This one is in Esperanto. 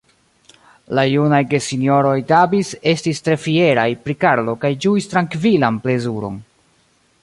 La junaj gesinjoroj Davis estis tre fieraj pri Karlo kaj ĝuis trankvilan plezuron.